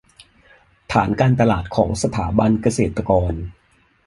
ฐานการตลาดของสถาบันเกษตรกร